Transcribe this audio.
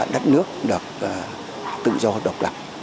đất nước được tự do độc lập